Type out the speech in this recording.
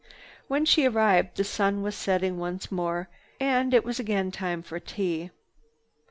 When she arrived the sun was setting once more and it was again time for tea.